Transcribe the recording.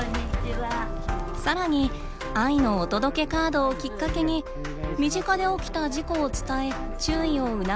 さらに「愛のお届けカード」をきっかけに身近で起きた事故を伝え注意を促すことも。